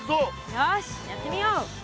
よしやってみよう。